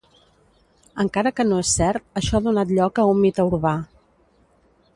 Encara que no és cert, això ha donat lloc a un mite urbà.